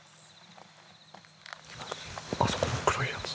今のあそこの黒いやつ。